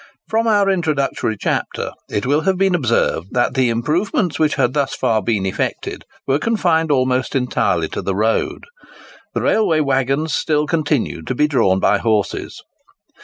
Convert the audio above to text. From our introductory chapter, it will have been observed that the improvements which had thus far been effected were confined almost entirely to the road. The railway waggons still continued to be drawn by horses.